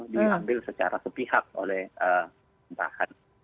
diambil secara sepihak oleh pemerintahan